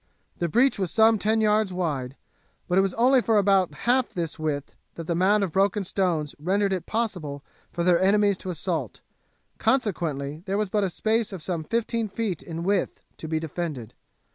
The breach was some ten yards wide, but it was only for about half this width that the mound of broken stones rendered it possible for their enemies to assault, consequently there was but a space of some fifteen feet in width to be defended.